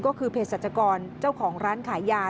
ก็คือเพศสัจกรเจ้าของร้านขายยา